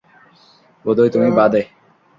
বোধহয় তুমি বাদে।